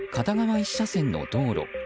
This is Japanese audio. １車線の道路。